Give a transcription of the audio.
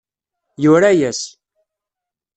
Yura-yas.